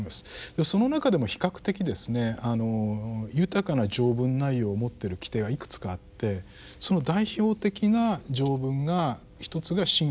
その中でも比較的ですね豊かな条文内容を持ってる規定がいくつかあってその代表的な条文がひとつが「信教の自由」